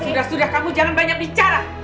sudah sudah kamu jangan banyak bicara